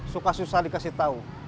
suka susah dikasih tahu